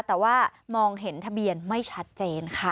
แต่ว่ามองเห็นทะเบียนไม่ชัดเจนค่ะ